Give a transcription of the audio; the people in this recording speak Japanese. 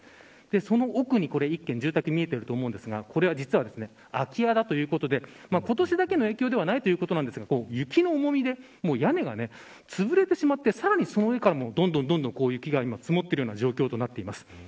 その奥に１軒住宅が見えていますがこれは実は空き家だということで今年だけの影響ではないということですが雪の重みで屋根がつぶれてしまってさらに、その上からも雪がどんどん積もっている状況です。